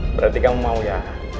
berarti kamu mau ya